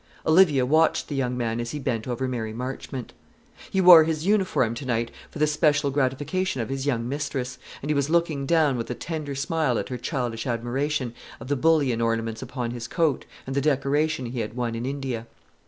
Olivia watched the young man as he bent over Mary Marchmont. He wore his uniform to night for the special gratification of his young mistress, and he was looking down with a tender smile at her childish admiration of the bullion ornaments upon his coat, and the decoration he had won in India.